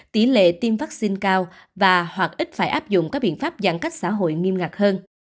tỷ lệ tiêm vaccine cao và hoặc ít phải áp dụng các biện pháp giãn cách xã hội nghiêm ngặt hơn